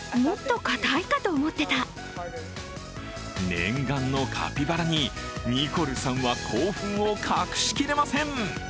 念願のカピバラにニコルさんは興奮を隠しきれません。